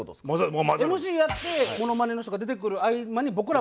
ＭＣやってものまねの人が出てくる合間に僕らも。